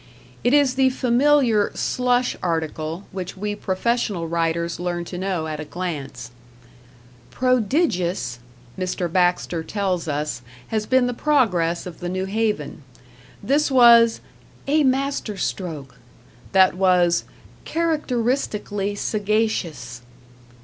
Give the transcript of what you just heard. It is the familiar "slush" article which we professional writers learn to know at a glance. "Prodigious", Mr. Baxter tells us, has been the progress of the New Haven; this was "a masterstroke", that was "characteristically sagacious".